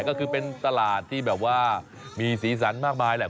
ใช่แล้วก็คือเป็นตลาดที่แบบว่ามีศีรษรมากมายแหละ